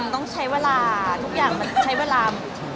ต้องใช้เวลาทุกอย่างมันใช้เวลา